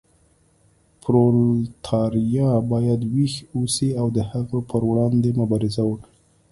پرولتاریا باید ویښ اوسي او د هغوی پر وړاندې مبارزه وکړي.